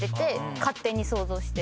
勝手に想像して。